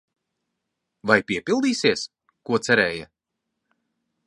Vai piepildīsies, ko cerēja?